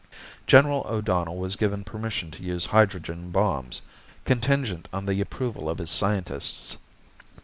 General O'Donnell was given permission to use hydrogen bombs, contingent on the approval of his scientists.